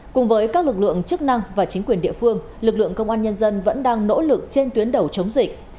cùng với các lực lượng chức năng và chính quyền địa phương lực lượng công an nhân dân vẫn đang nỗ lực trên tuyến đầu chống dịch